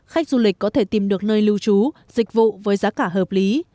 khách du lịch có thể tìm được nơi lưu trú dịch vụ với giá cả hợp lý